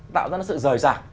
tạo ra nó sự rời rạc